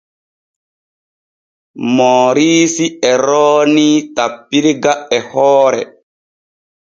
Mooriisi e roonii tappirga e hoore.